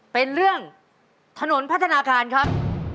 เป็นเรื่องถนนพัฒนาการครับ